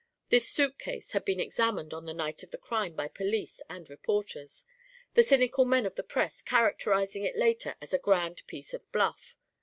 This suitcase had been examined on the night of the crime by police and reporters, the cynical men of the press characterising it later as a grand piece of bluff.